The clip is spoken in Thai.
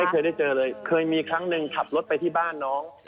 เคยได้เจอเลยเคยมีครั้งหนึ่งขับรถไปที่บ้านน้อง